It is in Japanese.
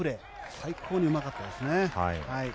最高にうまかったですね。